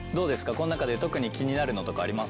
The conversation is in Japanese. この中で特に気になるのとかあります？